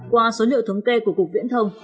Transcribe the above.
qua số liệu thống kê của cục viễn thông